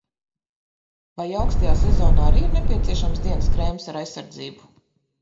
Vai aukstajā sezonā arī ir nepieciešams dienas krēms ar aizsardzību?